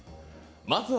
まずは「